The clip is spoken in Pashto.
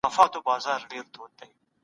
د شونډې چاکوالی عملیات کیږي.